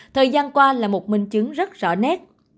thời gian qua là một minh chứng rất rõ nét